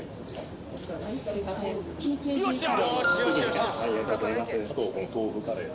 ＴＫＧカレー。